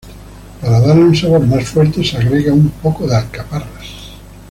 Para darle un sabor más fuerte se agrega un poco de alcaparras.